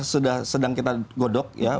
sudah sedang kita godok ya